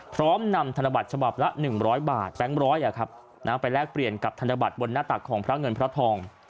พร้อมนำธนบัตรฉบับละ๑๐๐บาทแบงค์ร้อยไปแลกเปลี่ยนกับธนบัตรบนหน้าตักของพระเงินพระทอง